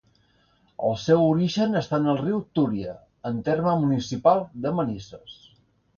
El seu origen està en el riu Túria, en terme municipal de Manises.